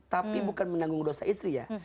tapi bukan menanggung dosa istri ya